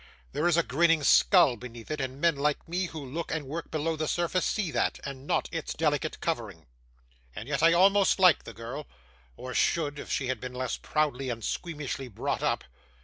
'There is a grinning skull beneath it, and men like me who look and work below the surface see that, and not its delicate covering. And yet I almost like the girl, or should if she had been less proudly and squeamishly brought up.